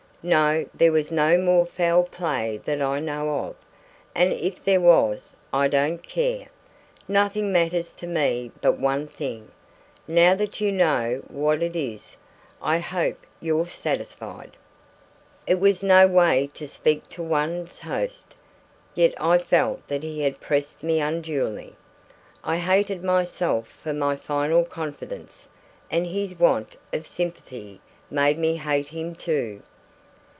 No, there was no more foul play that I know of; and if there was, I don't care. Nothing matters to me but one thing. Now that you know what that is, I hope you're satisfied." It was no way to speak to one's host. Yet I felt that he had pressed me unduly. I hated myself for my final confidence, and his want of sympathy made me hate him too.